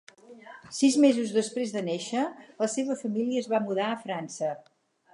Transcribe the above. Sis mesos després de néixer, la seva família es va mudar a França.